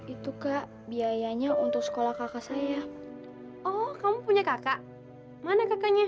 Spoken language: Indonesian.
ibu punya pujaan